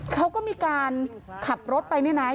เขาก็มีการขับรถไปเนี่ยนะ